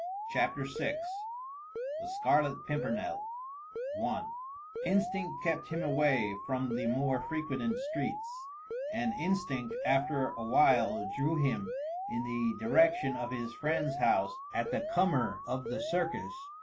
CHAPTER VI THE SCARLET PIMPERNEL I Instinct kept him away from the more frequented streets and instinct after awhile drew him in the direction of his friend's house at the comer of The Circus.